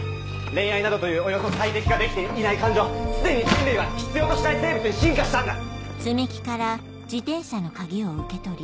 恋愛などというおよそ最適化できていない感情既に人類は必要としない生物に進化したんだ！